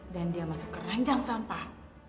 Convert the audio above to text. dan dia masuk keranjang sampah